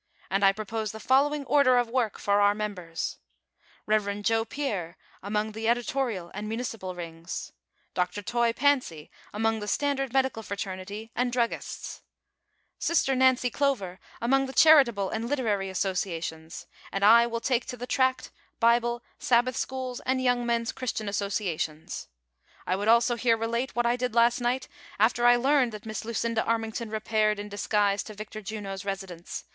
And I propose the following order of work for our members : "Rev. Joe Pier, among the Editorial and Municipal Rings. "Dr. Toy Pancy, among the Standard Medical Fra ternity and Druggists. 4 50 THE SOCIAL WAR OF 1900; OR, "Sister Nancy Clover, among the charitable and lite rary associations ; and I will take to the tract, Bible, Sab bath schools and Young Men's Christian Associations. " I would also here relate what I did last night, after I learned that Miss Lucinda Annington repaired in disguise to Victor Juno's residence.